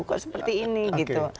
kok seperti ini gitu